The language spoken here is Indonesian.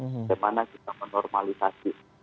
bagaimana kita menormalisasi